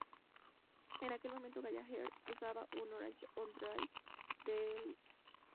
En aquel momento Gallagher usaba un Orange Overdrive del que solicitó más distorsión.